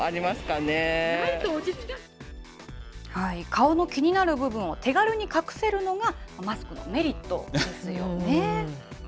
顔の気になる部分を手軽に隠せるのがマスクのメリットですよね。